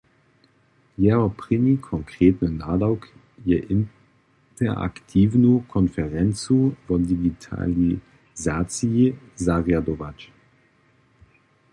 Jeho prěni konkretny nadawk je interaktiwnu konferencu wo digitalizaciji zarjadować.